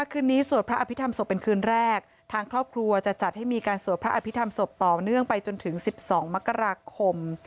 คืนนี้สวดพระอภิษฐรรศพเป็นคืนแรกทางครอบครัวจะจัดให้มีการสวดพระอภิษฐรรมศพต่อเนื่องไปจนถึง๑๒มกราคม